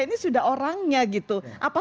ini sudah orangnya gitu apa